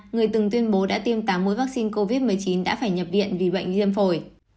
người từng tuyên bố đã tiêm tám mũi vaccine covid một mươi chín đã phải nhập viện vì bệnh viêm phổi